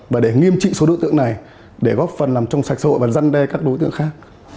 và để nghiêm trị số đối tượng này để góp phần làm trong sạch sộ và răn đe các đối tượng khác